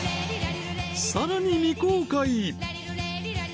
［さらに未公開］